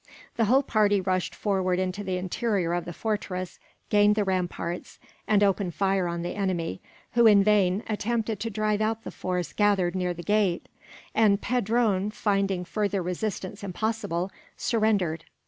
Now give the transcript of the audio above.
The whole party rushed forward into the interior of the fortress, gained the ramparts, and opened fire on the enemy, who in vain attempted to drive out the force gathered near the gate; and Pedron, finding further resistance impossible, surrendered.